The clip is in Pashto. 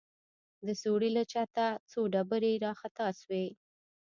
د سوړې له چته څو ډبرې راخطا سوې.